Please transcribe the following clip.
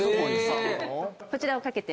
こちらを掛けて。